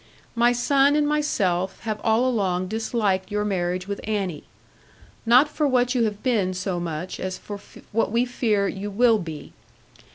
My son and myself have all along disliked your marriage with Annie. Not for what you have been so much, as for what we fear you will be.